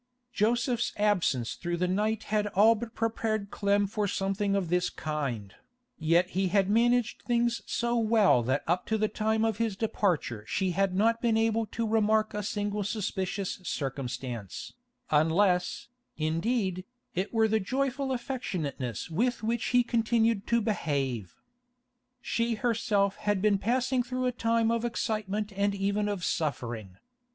Joseph's absence through the night had all but prepared Clem for something of this kind, yet he had managed things so well that up to the time of his departure she had not been able to remark a single suspicious circumstance, unless, indeed, it were the joyous affectionateness with which he continued to behave. She herself had been passing through a time of excitement and even of suffering.